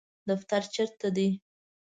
دفتر چیرته دی؟